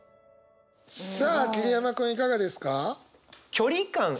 さあ桐山君いかがですか。